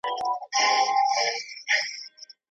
مصرف مې په ضروري شیانو وکړ.